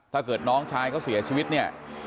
ถ้าเกิดน้องชายเขาเสียชีวิตเนี่ย